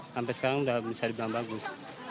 sampai sekarang sudah bisa dibilang bagus